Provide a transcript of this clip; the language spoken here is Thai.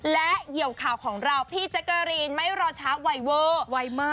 และเหยียวข่าวของเราพี่แจ๊กกะรีนไม่รอช้าไวเวอร์ไวมาก